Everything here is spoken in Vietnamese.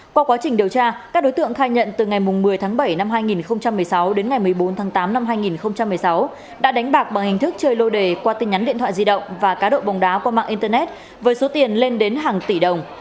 qua quá trình điều tra các đối tượng khai nhận từ ngày một mươi tháng bảy năm hai nghìn một mươi sáu đến ngày một mươi bốn tháng tám năm hai nghìn một mươi sáu đã đánh bạc bằng hình thức chơi lô đề qua tin nhắn điện thoại di động và cá độ bóng đá qua mạng internet với số tiền lên đến hàng tỷ đồng